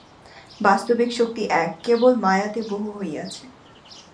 বাস্তবিক শক্তি এক, কেবল মায়াতে বহু হইয়াছে।